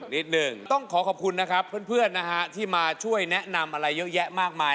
เวลาจับมือมีมั้ยมีผลมั้ย